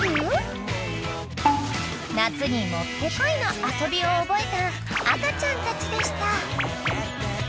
［夏にもってこいの遊びを覚えた赤ちゃんたちでした］